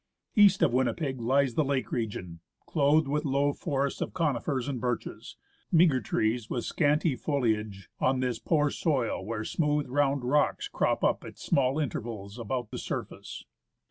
East of Winnipeg lies the lake region, clothed with low forests of conifers and birches, meagre trees with scanty foliage on this poor soil where smooth round rocks crop up at small intervals above the surface.